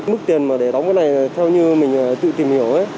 mức tiền mà để đóng cái này theo như mình tự tìm hiểu ấy